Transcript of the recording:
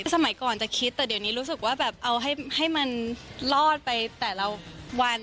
สมัยก่อนจะคิดแต่เดี๋ยวนี้รู้สึกว่าแบบเอาให้มันรอดไปแต่ละวัน